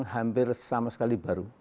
hampir sama sekali baru